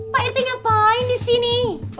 pak rt ngapain di sini